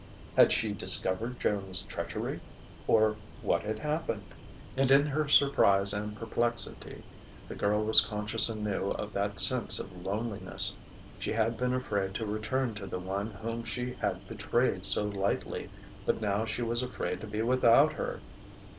Had she discovered Joan's treachery? Or what had happened? And in her surprise and perplexity, the girl was conscious anew of that sense of loneliness. She had been afraid to return to the one whom she had betrayed so lightly; but now she was afraid to be without her.